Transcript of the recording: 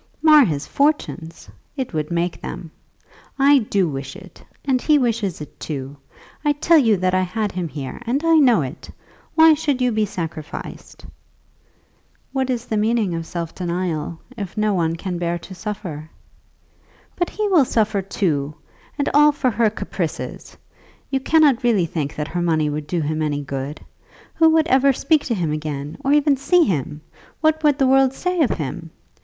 "Mar his fortunes! It would make them. I do wish it, and he wishes it too. I tell you that I had him here, and I know it. Why should you be sacrificed?" "What is the meaning of self denial, if no one can bear to suffer?" "But he will suffer too, and all for her caprices! You cannot really think that her money would do him any good. Who would ever speak to him again, or even see him? What would the world say of him?